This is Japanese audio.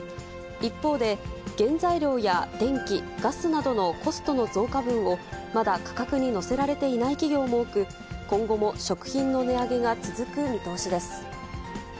一方で、原材料や電気、ガスなどのコストの増加分を、まだ価格に乗せられていない企業も多く、今後も食品の値上げが続く見通しです。